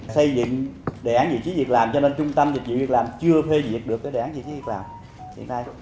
xây dựng đề án vị trí việc làm cho nên trung tâm vị trí việc làm chưa phê diệt được cái đề án vị trí việc làm hiện nay